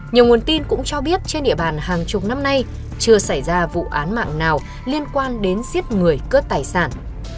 nhiều nguồn tin cũng cho biết trên địa bàn hàng chục năm nay chưa xảy ra vụ án mạng nào liên quan đến giết người cướp tài sản